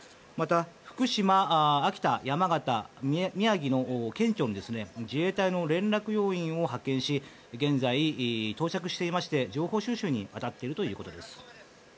また、福島、秋田、山形、宮城の県庁に自衛隊の連絡要員を派遣し現在、到着していて情報収集に当たっているということです。